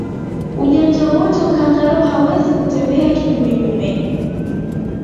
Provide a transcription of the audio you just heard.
Ujanja wote wa kangaroo hawezi kutembea kinyume nyume